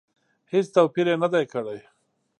هېڅ توپیر یې نه دی کړی.